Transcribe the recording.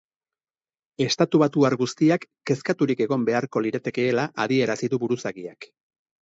Estatubatuar guztiak kezkaturik egon beharko liratekeela adierazi du buruzagiak.